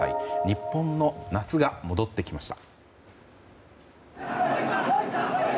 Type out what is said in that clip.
日本の夏が戻ってきました。